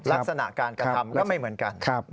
ลักษณะการกระทำก็ไม่เหมือนกัน